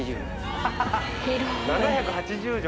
７８０畳！